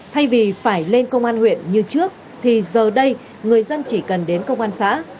thay vì phải lên công an huyện như trước thì giờ đây người dân chỉ cần đến công an xã